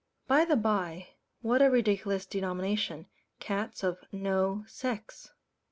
By the bye, what a ridiculous denomination "cats of no sex"!